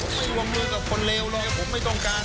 ผมไม่วงมือกับคนเลวเลยผมไม่ต้องการ